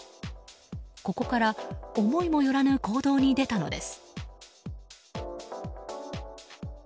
ここから思いもよらぬ行動に出たのです。